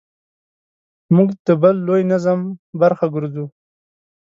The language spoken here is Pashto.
موږ د بل لوی نظم برخه ګرځو.